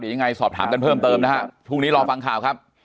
ยังไงสอบถามกันเพิ่มเติมนะฮะพรุ่งนี้รอฟังข่าวครับ